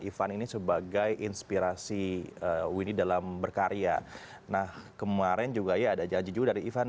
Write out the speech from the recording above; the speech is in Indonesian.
ivan ini sebagai inspirasi winnie dalam berkarya nah kemarin juga ya ada janji juga dari ivan